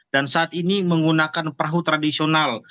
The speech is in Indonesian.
dan saat ini menggunakan perahu tradisional